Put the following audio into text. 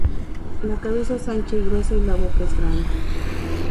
La cabeza es ancha y gruesa y la boca es grande.